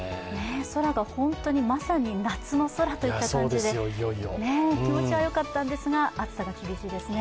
空が本当にまさに夏の空といった感じで気持ち悪かったんですが暑さが厳しいですね。